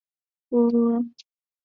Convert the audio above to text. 普朗佐莱人口变化图示